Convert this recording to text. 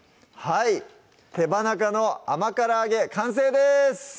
はい「手羽中の甘辛揚げ」完成です！